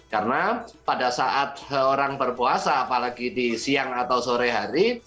karena pada saat orang berpuasa apalagi di siang atau sore hari